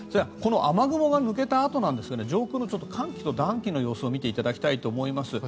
雨雲が抜けたあとなんですが上空の寒気と暖気の様子を見ていただきたいと思います。